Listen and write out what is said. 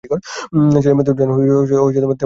ছেলেমেয়েদের জন্য তেমন কিছু রেখে যাননি।